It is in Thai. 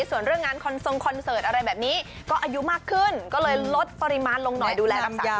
ส่วนเรื่องงานคอนทรงคอนเสิร์ตอะไรแบบนี้ก็อายุมากขึ้นก็เลยลดปริมาณลงหน่อยดูแลรักษา